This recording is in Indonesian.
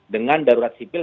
dengan darurat sipil